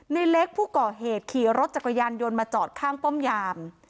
ในเล็กผู้ก่อเหตุขี่รถจักรยานยนต์มาจอดข้างป้อมยาม